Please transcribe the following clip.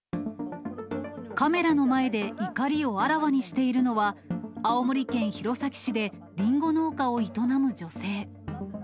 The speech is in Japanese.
カメラの前で怒りをあらわにしているのは、青森県弘前市でリンゴ農家を営む女性。